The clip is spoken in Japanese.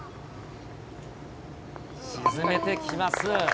沈めてきます。